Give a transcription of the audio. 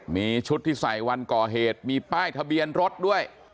มีชุดที่ใส่วันก่อเหตุมีป้ายทะเบียนรถด้วย